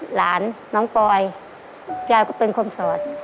หลานน้องปอยยายก็เป็นคนสอน